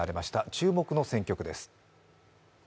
注目の選挙区です。